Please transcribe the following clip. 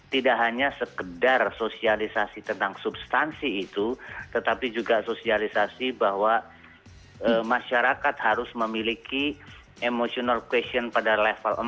tidak hanya sekedar sosialisasi tentang substansi itu tetapi juga sosialisasi bahwa masyarakat harus memiliki emotional question pada level empat